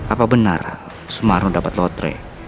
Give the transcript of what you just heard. apa benar sumarno dapat lotre